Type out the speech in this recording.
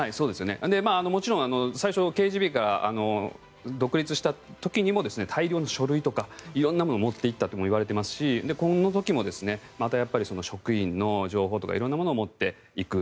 もちろん、最初ＫＧＢが独立した時にも大量に書類とか色んなものを持っていったと言われていますしこの時もやっぱり職員の情報とか色んなものを持っていく。